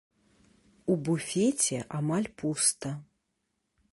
У буфеце амаль пуста.